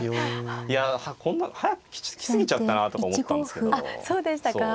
いやこんな早く来過ぎちゃったなあとか思ったんですけど。